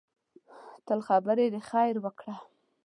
تل خبرې د خیر وکړه